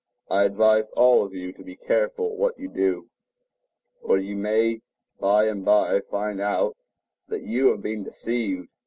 I advise all of you to be careful what you do, or you may by and by find out that you have been deceived.